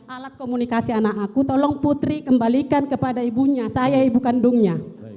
alat komunikasi anak aku tolong putri kembalikan kepada ibunya saya ibu kandungnya